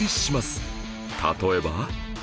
例えば